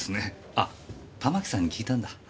あたまきさんに聞いたんだ？